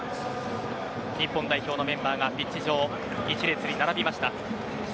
日本代表のメンバーがピッチ上１列に並びました。